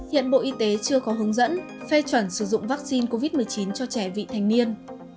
hiện bộ y tế chưa có hướng dẫn phê chuẩn sử dụng vaccine covid một mươi chín cho trẻ vị thành niên